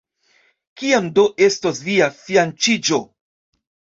Kiam do estos via fianĉiĝo?